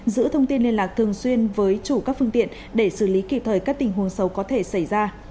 giữ thông tin liên lạc thường xuyên với chủ các phương tiện để xử lý kịp thời các tình huống xấu có thể xảy ra